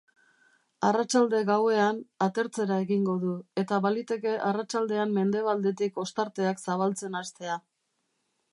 Arratsalde-gauean, atertzera egingo du, eta baliteke arratsaldean mendebaldetik ostarteak zabaltzen hastea.